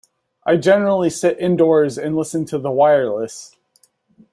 I generally sit indoors and listen to the wireless.